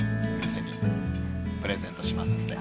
プレゼントしますんで。